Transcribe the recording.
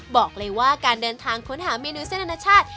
บอกเลยว่าการเดินทางค้นหาเมนูเส้นอนาชาติ